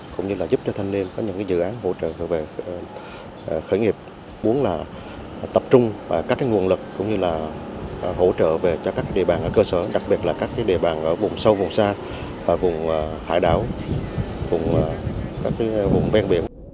cũng như là giúp cho thanh niên có những dự án hỗ trợ về khởi nghiệp muốn tập trung các nguồn lực cũng như là hỗ trợ về cho các địa bàn ở cơ sở đặc biệt là các địa bàn ở vùng sâu vùng xa và vùng hải đảo vùng các vùng ven biển